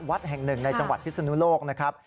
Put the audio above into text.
วัดแห่งหนึ่งในจังหวัดพิศนุโลกนะครับ